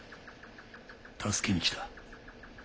助けに来た。